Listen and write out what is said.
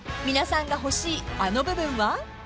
［皆さんが欲しいあの部分は？］